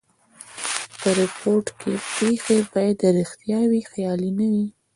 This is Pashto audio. په ریپورټ کښي پېښي باید ریښتیا وي؛ خیالي نه وي.